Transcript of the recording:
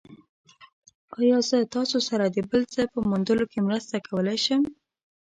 ایا زه تاسو سره د بل څه په موندلو کې مرسته کولی شم؟